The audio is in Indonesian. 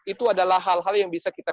itu adalah hal hal yang bisa kita